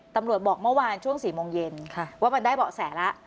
บอกเมื่อวานช่วง๔โมงเย็นว่ามันได้เบาะแสแล้ว